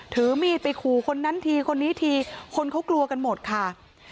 ถือมีดไปขู่คนนั้นทีคนนี้ทีคนเขากลัวกันหมดค่ะ